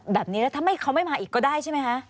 แบบนี้แล้วทำไมเขาไม่มาอีกก็ได้ใช่ไหมคะ